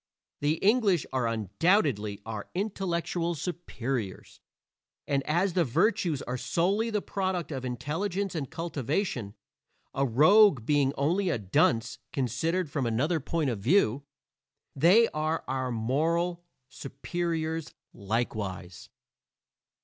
The English, are undoubtedly our intellectual superiors; and as the virtues are solely the product of intelligence and cultivation a rogue being only a dunce considered from another point of view they are our moral superiors likewise.